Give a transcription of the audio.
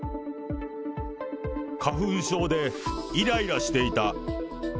花粉症でいらいらしていた。